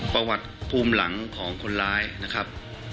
ประวัติภูมิหลังของคนร้ายนะครับ